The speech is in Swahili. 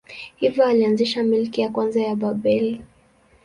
Hivyo alianzisha milki ya kwanza ya Babeli.